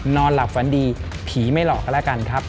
นอนหลับฝันดีผีไม่หลอกกันแล้วกันครับ